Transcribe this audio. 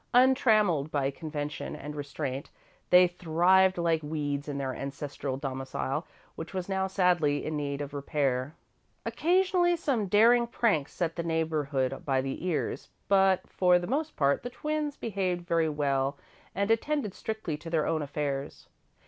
Untrammelled by convention and restraint, they thrived like weeds in their ancestral domicile, which was now sadly in need of repair. Occasionally some daring prank set the neighbourhood by the ears, but, for the most part, the twins behaved very well and attended strictly to their own affairs.